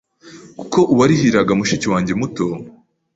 kuko uwarihiraga mushiki wanjye muto